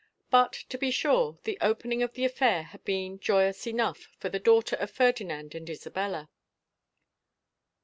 But to be sure, the open ing of the affair had been joyous enough for the daughter of Ferdinand and Isabella.